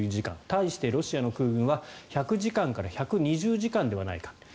対してロシアの空軍は１００時間から１２０時間ではないか。